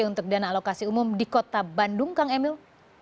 untuk dana alokasi umum di kota bandung kang emil